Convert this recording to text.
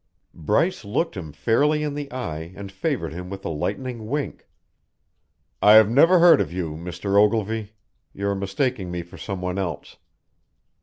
Bryce looked him fairly in the eye and favoured him with a lightning wink. "I have never heard of you, Mr. Ogilvy. You are mistaking me for someone else."